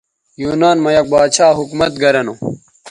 یونان مہ یک باچھا حکومت گرہ نو